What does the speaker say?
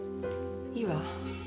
いいわ。